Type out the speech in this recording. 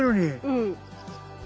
うん。